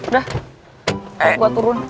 udah gue turun